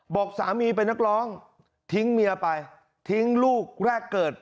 บอกสามีเป็นนักร้องทิ้งเมียไปทิ้งลูกแรกเกิด